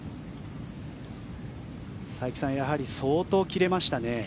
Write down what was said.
佐伯さんやはり相当切れましたね。